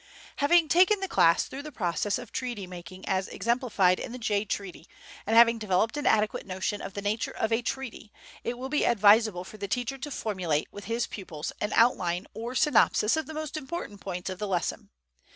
Having taken the class through the process of treaty making as exemplified in the Jay Treaty, and having developed an adequate notion of the nature of a treaty, it will be advisable for the teacher to formulate with his pupils an outline or synopsis of the most important points of the lesson.